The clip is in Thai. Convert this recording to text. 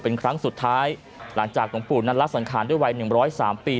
เป็นครั้งสุดท้ายหลังจากหลวงปู่นั้นละสังขารด้วยวัย๑๐๓ปี